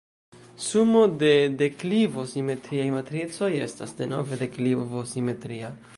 Sumo de deklivo-simetriaj matricoj estas denove deklivo-simetria.